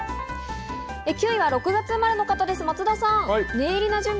９位は６月生まれの方です、松田さん。